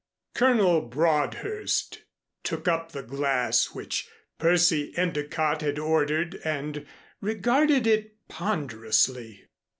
Colonel Broadhurst took up the glass which Percy Endicott had ordered and regarded it ponderously.